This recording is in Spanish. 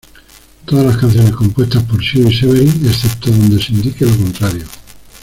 Todas las canciones compuestas por Sioux y Severin, excepto donde se indique lo contrario.